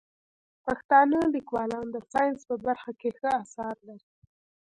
پښتانه لیکوالان د ساینس په برخه کې ښه اثار لري.